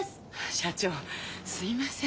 社長すいません。